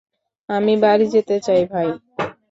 আমি বাড়ি যেতে চাই, ভাই।